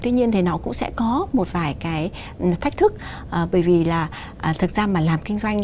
tuy nhiên thì nó cũng sẽ có một vài cái thách thức bởi vì là thực ra mà làm kinh doanh